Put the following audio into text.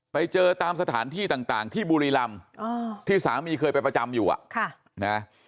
ไปเจอตามสถานที่ต่างที่บุรีรำที่สามีเคยไปประจำอยู่อ่ะนะ